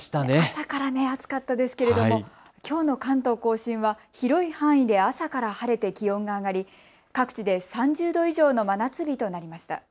朝から暑かったですけれどもきょうの関東甲信は広い範囲で朝から晴れて気温が上がり、各地で３０度以上の真夏日となりました。